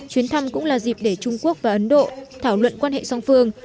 chuyến thăm cũng là dịp để trung quốc và ấn độ thảo luận quan hệ song phương